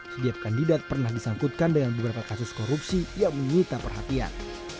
setiap kandidat pernah disangkutkan dengan beberapa kasus korupsi yang menyita perhatian